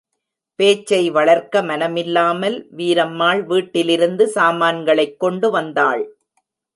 பேச்சை வளர்க்க மனமில்லாமல், வீரம்மாள் வீட்டிலிருந்து சாமான்களைக் கொண்டு வந்தாள்.